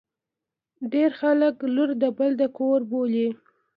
ډیر خلګ لور د بل کور بولي.